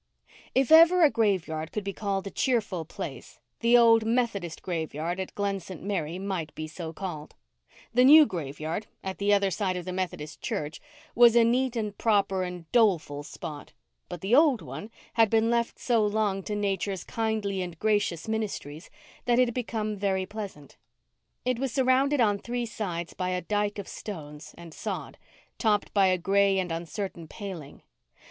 If ever a graveyard could be called a cheerful place, the old Methodist graveyard at Glen St. Mary might be so called. The new graveyard, at the other side of the Methodist church, was a neat and proper and doleful spot; but the old one had been left so long to Nature's kindly and gracious ministries that it had become very pleasant. It was surrounded on three sides by a dyke of stones and sod, topped by a gray and uncertain paling.